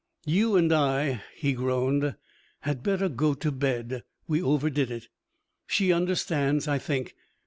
"You and I," he groaned, "had better go to bed. We overdid it. She understands, I think.